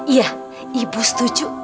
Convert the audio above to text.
iya ibu setuju